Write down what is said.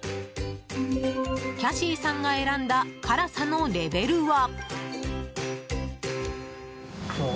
キャシーさんが選んだ辛さのレベルは。